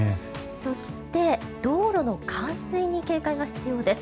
そして、道路の冠水に警戒が必要です。